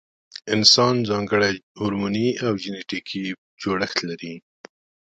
انسان ځانګړی هورموني او جنټیکي جوړښت لري.